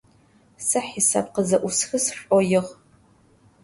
Сэ хьисап къызэӏусхы сшӏоигъу.